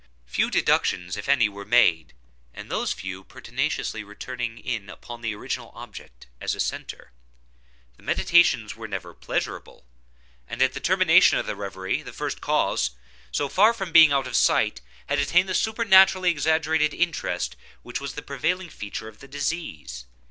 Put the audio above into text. Few deductions, if any, were made; and those few pertinaciously returning in upon the original object as a centre. The meditations were never pleasurable; and, at the termination of the reverie, the first cause, so far from being out of sight, had attained that supernaturally exaggerated interest which was the prevailing feature of the disease.